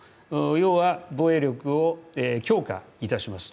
要は防衛力を強化いたします。